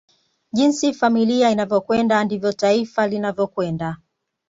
Jinsi familia inavyokwenda ndivyo taifa linavyokwenda